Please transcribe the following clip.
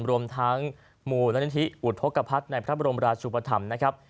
รวมทั้งมูลนิธิอุทธกภักษ์ในพระบรมราชุปธรรมนะครับ